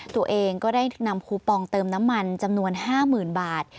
ตัวเองก็ได้นำคูปองเติมน้ำมันจำนวน๕๐๐๐บาท